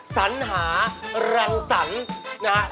สันหารันสันนะครับ